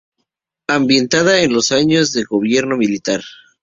Ambientada en los años de gobierno militar.